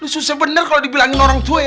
susah bener kalau dibilangin orang tua ya